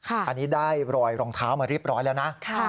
อันนี้ได้รอยรองเท้ามาเรียบร้อยแล้วนะ